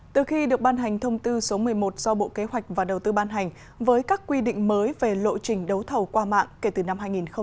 từ khi được ban hành thông tư số một mươi một do bộ kế hoạch và đầu tư ban hành với các quy định mới về lộ trình đấu thầu qua mạng kể từ năm hai nghìn một mươi năm